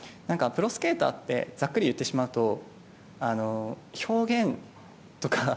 プロスケーターってざっくり言ってしまうと表現とか